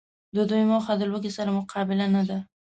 د دوی موخه د لوږي سره مقابله نده